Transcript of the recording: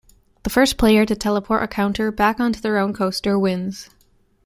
The first player to teleport a counter back onto their own coaster wins.